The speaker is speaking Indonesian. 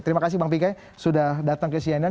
terima kasih bang pigai sudah datang ke siainan